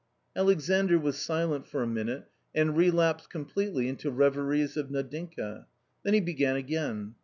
Alexandr was silent for a minute and relapsed completely into reveries of Nadinka. Then he began again.